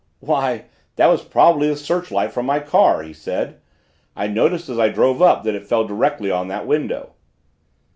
"Why, that was probably the searchlight from my car!" he said. "I noticed as I drove up that it fell directly on that window."